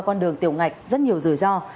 con đường tiểu ngạch rất nhiều rủi ro